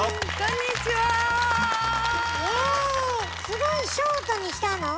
すごいショートにしたの？